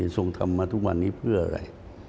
ทรงทำมาทุกวันนี้เพื่ออะไร